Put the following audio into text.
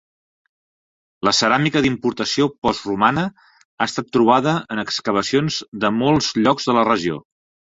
La ceràmica d'importació postromana ha estat trobada en excavacions de molts llocs de la regió.